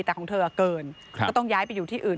แต่ของเธอเกินก็ต้องย้ายไปอยู่ที่อื่น